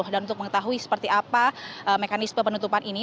dan untuk mengetahui seperti apa mekanisme penutupan ini